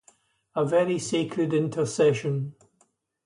A very sacred intercession.